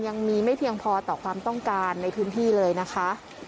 ยังไม่เพียงพอต่อความต้องการในพื้นที่เลยนะคะ